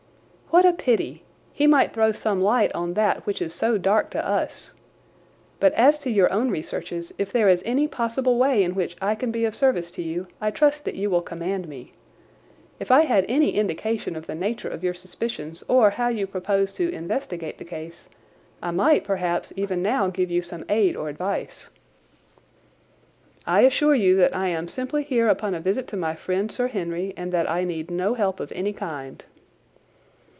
"What a pity! He might throw some light on that which is so dark to us. But as to your own researches, if there is any possible way in which I can be of service to you I trust that you will command me. If I had any indication of the nature of your suspicions or how you propose to investigate the case, I might perhaps even now give you some aid or advice." "I assure you that I am simply here upon a visit to my friend, Sir Henry, and that I need no help of any kind."